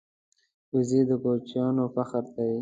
وزې د کوچیانو فخر دی